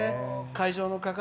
「会場の方